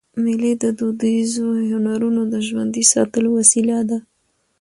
مېلې د دودیزو هنرونو د ژوندي ساتلو وسیله ده.